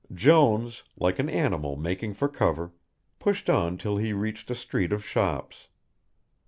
Jones, like an animal making for cover, pushed on till he reached a street of shops.